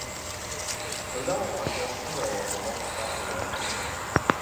Below are just several of the most popular examples.